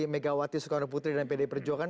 megawati soekarno putri dan pdi perjuangan